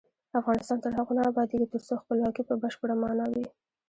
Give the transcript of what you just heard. افغانستان تر هغو نه ابادیږي، ترڅو خپلواکي په بشپړه مانا وي.